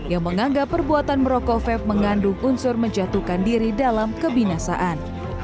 yang menganggap perbuatan merokok vape mengandung unsur menjatuhkan diri dalam kebinasaan